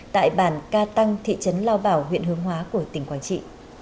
tại bản ca tăng thị trấn lao bảo huyện hướng hóa của tỉnh quảng trị